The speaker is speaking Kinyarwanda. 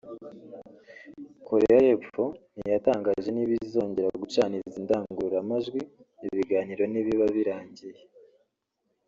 Korea y’Epfo ntiyatangaje niba izongera gucana izi ndangururamajwi ibiganiro nibiba birangiye